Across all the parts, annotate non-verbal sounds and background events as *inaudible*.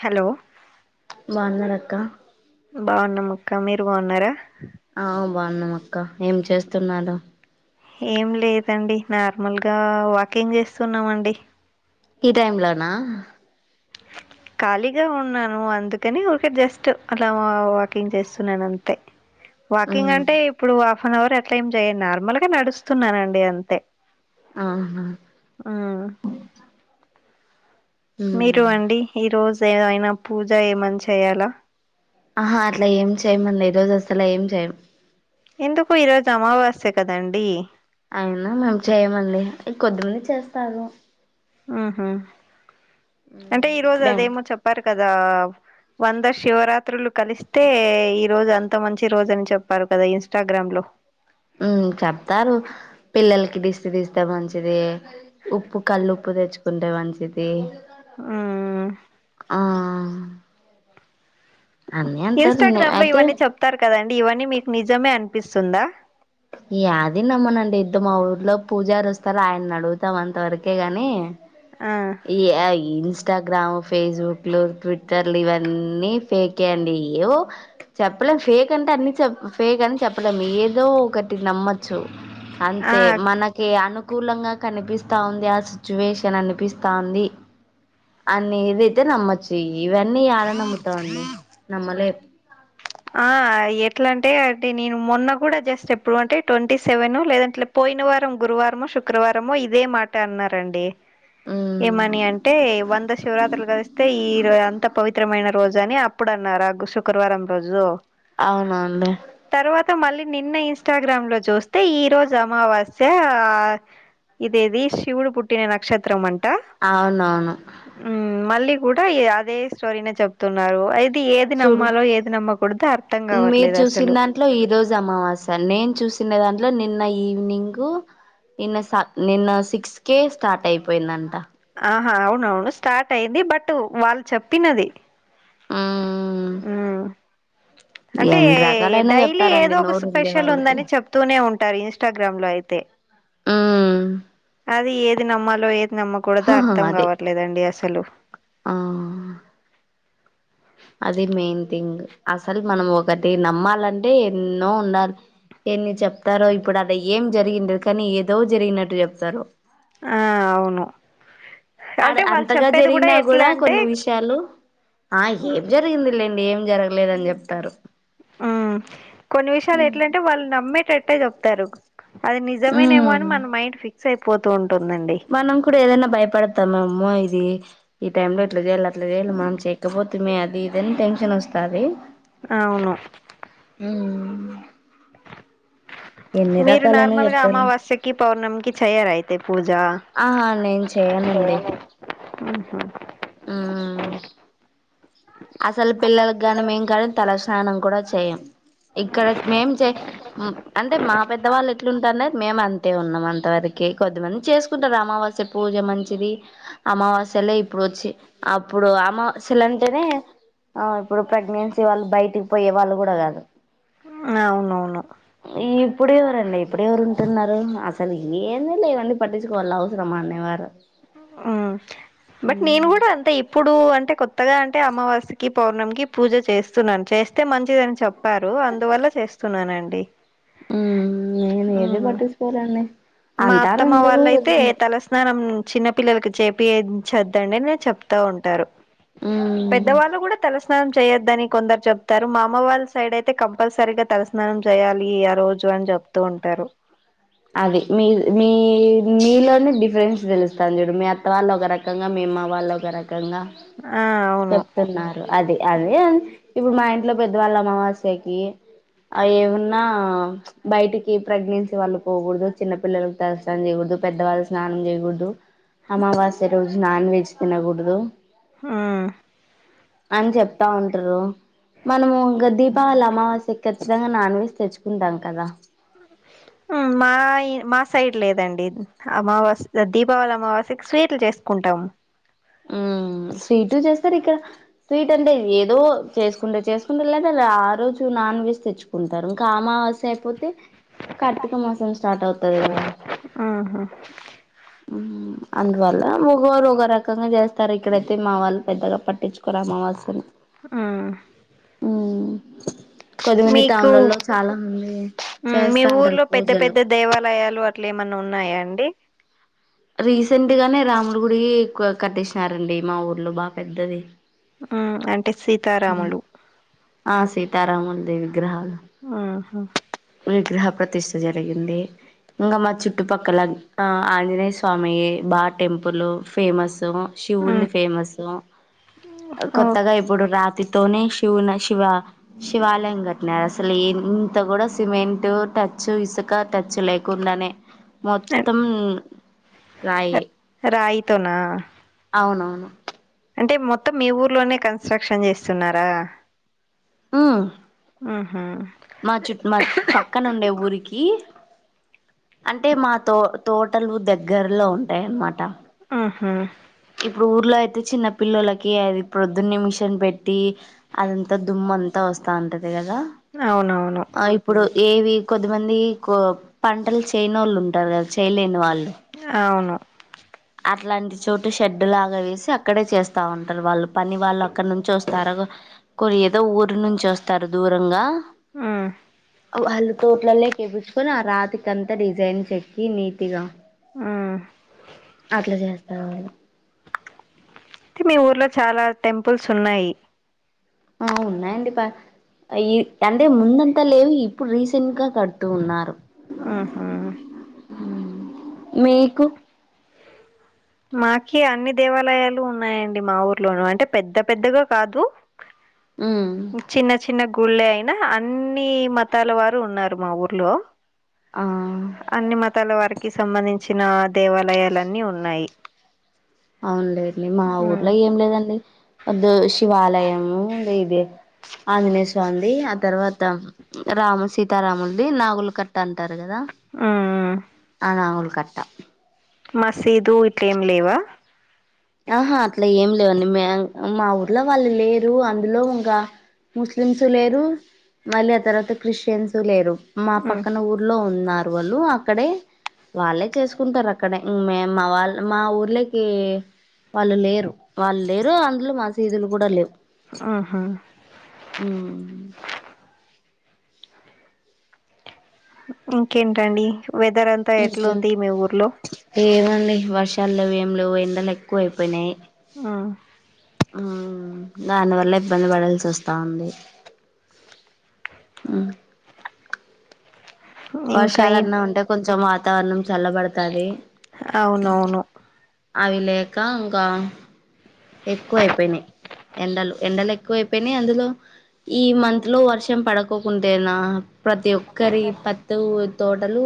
Hello బాగున్నారా అక్క బాగున్నం అక్క మీరు బాగున్నారా ఆ బాగున్నాం అక్క ఏం చేస్తున్నారు ఏం లేదండి నార్మల్గా వాకింగ్ చేస్తున్నామండి ఈ టైమ్ లోనా ఖాళీగే ఉన్నాను అందుకని ఊరికే జస్టు అలా వావ్ వాకింగ్ చేస్తున్నాను అంతే. వాకింగ్ ఉమ్ అంటే ఇప్పుడు హాఫ్ అన్ అవర్ అట్లా ఏం చేయను నార్మల్గా నడుస్తున్నానండి అంతే. ఆహా ఆ ఉ మీరు అండి ఈ రోజు ఏవైనా పూజ ఏమన్నా చేయాలా. ఆహా అట్లా ఏం చేయము ఈ రోజు అసలు ఏం చేయిము. ఎందుకు ఈ రోజు అమావాస్య కదండి అయినా మేము చేయ్యమండి కొద్దిమంది చేస్తారు. ఉహు అంటే ఈ రోజు మేం అదేమో చెప్పారు కదా వంద శివరాత్రులు కలిస్తే ఈ రోజు అంత మంచి రోజని చెప్పారు కదా ఇన్స్టాగ్రామ్లో. ఉ చెప్తారు పిల్లలకి దిష్టి దిస్తే మంచిది ఉప్పు కళ్ళు ఉప్పు తెచ్చుకుంటే మంచిది. మ్మ్ ఆ అన్నీ అంటారు ఇన్స్టాగ్రామ్లో అయితే ఇవన్నీ చెప్తారు కదండి ఇవన్నీ మీకు నిజమే అనిపిస్తుందా. యాది నమ్మనండి ఇద్దో మా ఊర్లో పూజారు వస్తారు ఆయన అడుగుతాం అంత వరకే గాని. ఆ ఈ యా ఇన్స్టాగ్రామ్ ఫేస్బుక్లు ట్విట్టర్లు ఇవన్నీ ఫేకే యండి ఇయో చెప్పలేం ఫేక్ అంటే అన్ని చెప్ ఫేక్ అని చెప్పలేం ఏదో ఒకటి నమ్మచ్చు ఆ అంతే మనక్ కి అనుకూలంగా కనిపిస్తాంది ఆ సిచ్యువేషన్ అనిపిస్తాంది అని ఏదైతే నమ్మచ్చు ఇవన్నీ ఆడ నమ్ముతావండి నమ్మలేమ్. ఆ ఎట్లా అంటే అే నేను మొన్న కూడా జస్ట్ ఎప్పుడు అంటే ట్వంటీ సెవెన్ లేదంటే పోయిన వారం గురువారమో శుక్రవారమో ఇదే మాట అన్నారండి మ్ ఏమని అంటే వంద శివరాత్రులు కలిస్తే ఈరో అంతా పవిత్రమైన రోజు అని అప్పుడు అన్నారు ఆ గుసు గురువారం రోజు అవునా అండి తర్వాత మళ్ళీ నిన్న ఇన్స్టాగ్రామ్ లో చూస్తే ఈ రోజు అమావాస్యా ఇది ఏది శివుడు పుట్టిన నక్షత్రం అంట అవునవును మ్ మళ్ళీ కూడా అదే స్టోరీనే చెప్తున్నారు అయితే ఏది చూడు నమ్మాలో ఏది ఏది నమ్మకూడదో అర్థం కావట్లేదు అసలు ఇంట్లొ ఈ రోజు అమావాస్య నేను చూసిన దాంట్లో నిన్న ఈవినింగ్ నిన్న సా నిన్న సిక్స్ కే స్టార్ట్ అయిపోయిందంట ఆహా అవునవును స్టార్ట్ అయింది బట్ వాళ్ళు చెప్పినది మ్ మ్ అంటే ఎన్ని రకాలైనా డైలీ చెప్తారండి ఏదో ఒక నోరు ఉండే స్పెషల్ వాళ్ళకి ఉందని చెప్ తూనే ఉంటారు ఇన్స్టాగ్రామ్ లో అయితే మ్మ్ అది ఏది నమ్మాలో ఏది నమ్మకూడదో హహ అర్థం అదే కావా లేదండి అసలు ఆ అది మెయిన్ థింగ్ అసలు మనం ఒకటి నమ్మాలంటే ఎన్నో ఉండాలి ఎన్ని చెప్తారో ఇప్పుడు ఆడ ఏం జరిగుండదు కానీ ఏదో జరిగినట్టు చెప్తారు ఆ అవును ఆడ అంటే వాళ్ళు అంతగా చెప్పేది కూడా జరిగినా ఎట్లా గూడా అంటే కొన్ని విష్ చాలు ఆ ఏం జరిగింది లేండి ఏం జరగలేదని చెప్తారు. మ్ కొన్ని విషయాలు ఎట్లంటే వాళ్ళు నమ్మే టట్టే చెప్తారు అది నిజమేనేమో అని మన మైండ్ ఫిక్స్ అయిపోతూ ఉంటుందండి మనం కూడా ఏదైనా భయపడతాము అమ్మో ఇది ఈ టైమ్ లో ఇట్లా చేయాలి అట్లా చేయాలి మనం చేయకపోతెమే అది ఇదని టెన్షన్ వస్తది అవును మ్ మీరు రకాలైన నార్మల్గా చెప్తారు అమావాస్యకి పౌర్ణమికి చేయరా అయితే పూజ ఆహా నేను చేయనండి ఉహు. మ్ అసలు పిల్లలకి గాని మేం గాని తలస్నానం కూడా చేయం ఇక్కడ మేం చే అంటే మా పెద్దవాళ్ళు ఎట్లుంటారున్నారు మేము అంతే ఉన్నాం అంత వరకి కొద్దిమంది చేసుకుంటారు అమావాస్ స్ పూజ మంచిది అమావాస్యలే ఇప్పుడు వచ్చి అప్పుడు అమావాస్యలు అంటేనే అ ఇప్పుడు ప్రెగ్నెన్సీ వాళ్ళు బయటికి పోయే వాళ్ళు కూడా కాదు అ అవునవును ఇప్పుడు ఎవరండి ఇప్పుడు ఎవరు ఉంటున్నారు అసలు ఏం లేవన్నీ పట్టి వాళ్ళు అవసరమా అనే వారు ఆ బట్ నేను కూడా అంతే ఇపు ఇప్పుడు అంటే కొత్తగా అంటే అమావాస్యకి పౌర్ణమికి పూజ చేస్తున్నాను చేస్తే మంచిదని చెప్ప ప్పారు అందువల్ల చేస్తున్నానండి మ్ నేను ఏది మ్మ్ పట్టిచ్చుకోనండి మా అత్తమ్మ వాళ్ళయితే తలస *unintelligible* స్నానం చిన్న పిల్లలకి చేపించద్దండి నేను చెప్తా ఉంటారు పెద్దవాళ్ళు గూడ తలస్నానం చేయొద్దని కొందరు చెప్తారు మా అమ్మ వాళ్ళ సైడ్ అయితే కంపల్సరీగా తలస్నానం చేయాలి ఆ రో *unintelligible* చెప్తూ ఉంటారు అది మీ మీ మీలోనే డిఫరెన్స్ తెలుస్తంది చూడు మీ అత్త వాళ్ళు ఒక *unintelligible* మీ అమ్మ వాళ్ళు ఒక రకంగా ఆ అవును చెప్తున్నారు అది అదే అ ఇప్పుడు మా ఇంట్లో పెద్దవాళ్ళ అమావాస్యకి అయి ఏమున్నా బయటికి ప్రెగ్నెన్సీ వాళ్ళు పోకూడదు చిన్న పిల్లలలకు *unintelligible* చేయకూడదు పెద్దవాళ్ళు స్నానం చేయకూడదు అమావస్య రో నాన్ వెజ్ తినకూడదు ఆ అని చెప్త ఉంటారు మనము ఇంకా దీపావళి అమావాస్య ఖచ్చితంగ నాన్ వెజ్ తెచ్చుకుంటాం కదా అ మా మా సైడ్ లేదండి అమావాస్య దీపావళి అమావాస్యకి స్వీట్లు చేసుకుంటాము ఉ స్వీట్ చేస్తారు ఇక్కడ స్వీట్ అంటే ఏదో చేసుకుంటారు చేసుకుంటే లేద ఆ రోజు నాన్ వెజ్ తెచ్చుకుంటారు *unintelligible* అయిపోతే కార్తిక మోసం స్టార్ట్ అవుతది కద ఆహా అందువల్ల ఓగోరు *unintelligible* చేస్తారు ఇక్కడైతే మా వాళ్ళు పెద్దగా పట్టించుకోరు *unintelligible* ఆ ఆ కొదిమంది మీకు టౌన్లలో చాలా మంది ఉమ్ మీ చేస్తాంటారు ఊర్లో పెద్ద పూజలు పెద్ద దేవాలయాలు అట్ల ఏమన్నా ఉన్నాయా అండి రీసెంట్ గానే రాముడి గుడి క కట్టేసారండి మా ఊర్లో బాగ పెద్దది ఊ అంటే సీతారాములు ఆ సీతారముల్ది *unintelligible* ఆహా విగ్రహ ప్రతిష్ట జరిగింది ఇంకా మా చుట్టుపక్కల ఆంజనేయ స్వామి టెంపుల్ ఫేమస్ ఆ శివుణ్ణి ఫేమస్ కొత్తగా ఇప్పుడు రా తోనే *unintelligible* శివున శివా శివాలయం *unintelligible* అసలు ఇంత కూడా సిమెంట్ టచ్ ఇసుక టచ్ లే *unintelligible* ఓకే మొత్తం రాయి రాయితోన అవునవును అంటే మొత్తం మీ ఊర్లోనే కన్స్ట్రక్షన్ చేస్తున్నార ఆ ఆహా మా చుట్ మా పక్కన ఉండే ఊరికి అంటే మా తో తోటలు దగ్గరలో ఉంటాయ్ అన్నమాట ఆహా ఇప్పుడు ఊర్లో అయితే చిన్న పిల్లలకి అది ప్రొద్దున్న మిషన్ పెట్టి అదంతా దుమ్ము అంతా వస్తా ఉంటది కద అవునవును ఆ ఇప్పుడు ఏవి కొద్దిమంది కో పంటలు చేయనోళ్ళు ఉంటారు కదా చేయలేని వాళ్ళు అవును అట్లాంటి చోటు షెడ్ లాగా వేసి అక్కడే చేస్తా ఉంటారు వాళ్ళు పని వాళ్ళు అక్కడ నుంచి వస్తారు కొన్ని ఏదో ఊరు నుంచి వస్తారు దూరంగా మ్మ్ వాళ్ళు తోట్లల్లోకి ఎప్పిచ్చుకొని ఆ రాతికి అంతా డిజైన్ చెక్కి నీటి గా మ్మ్ అట్ల చేస్తారు వాళ్ళు అయితే మీ ఊర్లో చాలా టెంపుల్స్ ఉన్నాయి ఆ ఉన్నాయండి పా ఐ అంటే ముందంత లేవు ఇప్పుడు రీసెంట్ గా కడుతూ ఉన్నారు హ్మ్ హు మ్మ్ మీకు మాకి అన్ని దేవాలయాలు ఉన్నాయండి మా ఊర్లోనూ, అంటే పెద్ద పెద్దగా కాదు ఉమ్ చిన్న చిన్న గుళ్ళె అయినా, అన్నీ మతాల వారు ఉన్నారు మా ఊర్లో ఆ అన్ని మతాల వారికీ సంబంధించిన దేవాలయాలన్నీ ఉన్నాయి అవున్లేండి మా ఉమ్ ఊర్లో ఏం లేదండి ఒద్దు శివాలయము ది ఇదే ఆంజనేయస్వామిదీ, ఆ తర్వాత రామ సీతారాముల్ది, నాగులు కట్ ట అంటారు గదా ఉమ్ ఆ నాగుల్ కట్ట మసీదు ఇట్లేం లేవా ఆహా అట్లా ఏం లేవండి మ మా ఊర్లో వాళ్ళు లేరూ అందులో ఇంగ ముస్లిమ్సు లేరు మళ్ళీ ఆ తర్వాత క్రిస్టియన్సూ లేరు మా మ్మ్ పక్కన ఊర్లో ఉన్నారు వాళ్ళు అక్కడే వాళ్ళే చేసుకుంటారు అక్కడే ఊమ్ మే మా వాళ్ మా ఊర్లేకి వాళ్ళు లేరు వాళ్ళు లేరూ అందులో మసీదులు గూడా లేవు ఆహా మ్మ్. ఇంకేంటండి వెదర్ అంతా ఎట్లుంది మీ ఊర్లో ఏమండీ వర్షాలు లేవు ఏం లేవు ఎండలు ఎక్కువ అయిపోయినాయి ఆ ఆ దాని వల్ల ఇబ్బంది పడాల్సి వస్తా ఉంది మ్మ్ ఇంకా ఏం వర్షాలన్నా ఉంటే కొంచెం వాతావరణం చల్లబడుతాది అవునవును అవి లేక ఇంకా ఎక్కువ అయిపోయినయ్ ఎండలు ఎండలు ఎక్కువ అయిపోయినాయి అందులో ఈ మంత్ లో వర్షం పడకోకుంటేనా ప్రతి ఒక్కరి పత్ తో తోటలూ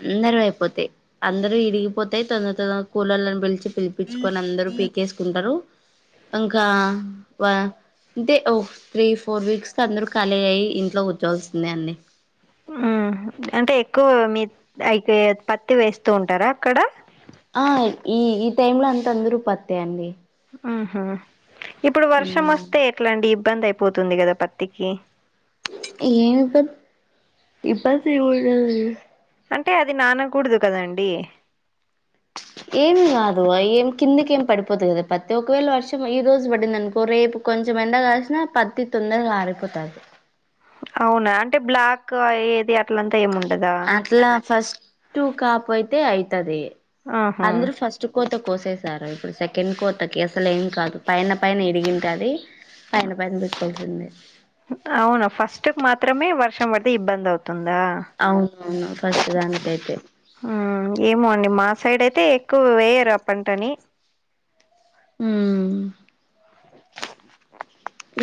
అందరివి అయిపోతాయి, అందరివి విరిగిపోతాయి తొందర తొద కూలోల్లను పిలిచి పిలిపిచ్చుకొని అందరు పీకేసుకుంటారు అంకా వా అంటే ఓ త్రీ ఫోర్ వీక్స్ కి అందరూ ఖాళీ అయ్యి ఇంట్లో కూచోల్సిందే అండి మ్మ్ అంటే ఎక్కువ మీ అయితే పత్తి వేస్తూ ఉంటారా అక్కడ ఆ ఈ ఈ టైమ్ లో అంత అందరూ పత్తే అండి ఊహు, ఇప్పుడు వర్షం ఏమి వస్తే ఎట్ల అండి ఇబ్బంది అయిపోతుంది గదా పత్తికి ఏంటో ఇబ్బంది ఉండదండి అంటే అది నానకూడదు కద అండి ఏం గాదు అయేం కిందికి ఏం పడిపోదు గదా పత్తి ఒకవేళ వర్షం ఈ రోజు పడిందనుకో రేపు కొంచెం ఎండ కాసినా పత్తి తొందరగా ఆరిపోతాది అవునా అంటే బ్లాక్ అయేది అట్ల ఏముండదా అట్లా ఫస్ట్ కాపు అయితే అయితాది ఆహా అందరు ఫస్ట్ స్ట్ కోత కోసేసారా ఇప్పుడు సెకండ్ కోతకి అసలు ఏం కాదు పైన పైన ఇరిగింటాది పైన పైన పెట్టాల్సిందే అవునా ఫస్టుక్ మాత్రమే వర్షం పడితే ఇబ్బంది అవుతుందా అవునవును ఫస్ట్ దానికైతే ఊ ఏమో అండి మా సైడ్ అయితే ఎక్కువ వేయరు ఆ పంటని ఊమ్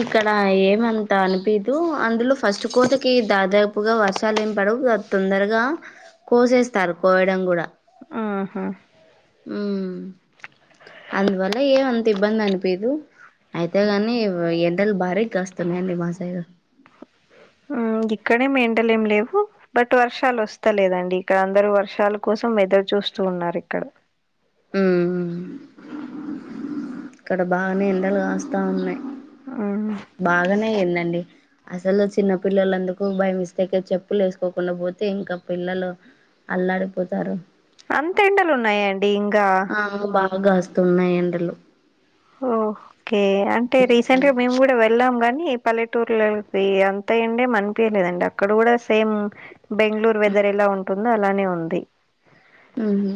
ఇక్కడ ఏమంత అనిపీదూ అందులో ఫస్ట్ కోతకి దాదాపుగా వర్షాలు ఏం పడవు గ తొందరగా కోసేస్తారు కోయడం గూడా ఆహా ఊ అందువల్ల ఏమంత ఇబ్బంది అనిపీదు అయితే గానీ వ ఎండలు భారీ కాస్తున్నాయండి మా సైడు ఉమ్ గిక్కడే మేంటలు ఏం లేవు బట్ వర్షాలు వస్తలేదండి ఇక్కడ అందరూ వర్షాల కోసం ఎదురు చూస్తూ ఉన్నారు ఇక్కడ ఉమ్ ఇక్కడ బానే ఎండలు గాస్తా ఉన్నాయి ఆవును బాగనే అయిందండి అసలు చిన్న పిల్లలందుకు బైయ్ మిస్టేక్ ల చెప్పులు యేసుకోకుండా పోతే ఇంకా పిల్లలు అల్లాడిపోతారు అంత ఎండలు ఉన్నాయండి ఇంగా అవును బాగాస్తున్నాయి ఎండలు ఓ ఓకే అంటే రీసెంట్ గా మేము గూడా వెళ్ళాం గాని పల్లెటూర్లకి అంత ఎండే అనిపియలేదండి ఇక్కడ గూడా సేమ్ బెంగుళూరు వెదర్ ఎలా ఉంటుందో అలానే ఉంది ఉమ్ హూ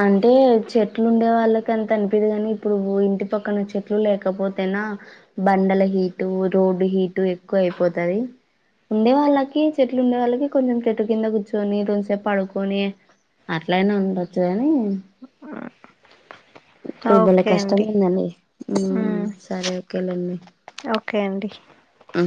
అంటే చెట్లు ఉండే వాళ్ళకి అంత అనిపియదు గాని ఇప్పుడు ఇంటి పక్కన చెట్లు లేకపోతేనా బండల హీటు రోడ్డు హీటు ఎక్కువ అయిపోతది ఉండే వాళ్ళకి చెట్లు ఉండే వాళ్ళకి కొంచెం చెట్టు కింద కూర్చొని కొంసేపు పడుకొని అట్లయినా ఉండొచ్చు కానీ ఇప్పుడు భలే ఓకే కష్టం అండి గ ఉందండి. ఊమ్ మ్మ్ సరే ఓకేలేండి. ఓకే అండి ఉ